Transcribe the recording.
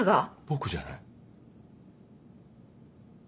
僕じゃない。